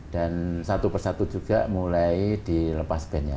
dan satu persatu juga mulai dilepaskan